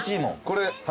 これ？